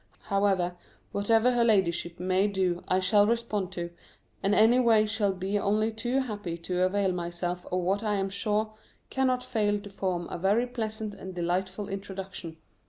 However, whatever her ladyship may do I shall respond to, and anyway shall be only too happy to avail myself of what I am sure cannot fail to form a very pleasant and delightful introduction.